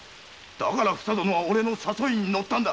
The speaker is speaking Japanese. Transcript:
だからふさ殿はオレの誘いに乗ったんだ。